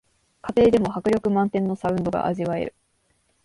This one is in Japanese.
家庭でも迫力満点のサウンドが味わえる